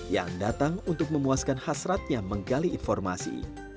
yang datang untuk memuaskan hasratnya menggali informasi